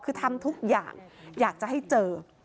คือทำทุกอย่างอยากจะให้เจอ